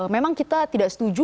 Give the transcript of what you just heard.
memang kita tidak setuju